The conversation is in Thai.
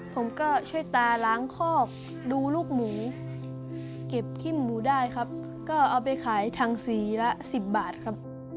ผมก็ช่วยตาล้างคอกดูลูกหมูเก็บขี้หมูได้ครับก็เอาไปขายทางสีละ๑๐บาทครับ